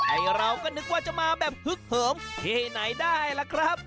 ไอ้เราก็นึกว่าจะมาแบบฮึกเหิมที่ไหนได้ล่ะครับ